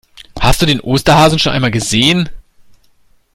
Hast du den Osterhasen schon einmal gesehen?